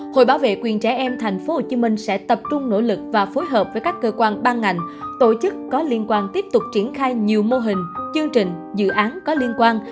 hội bảo vệ quyền trẻ em tp hcm sẽ tập trung nỗ lực và phối hợp với các cơ quan ban ngành tổ chức có liên quan tiếp tục triển khai nhiều mô hình chương trình dự án có liên quan